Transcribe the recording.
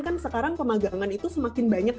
kan sekarang pemagangan itu semakin banyak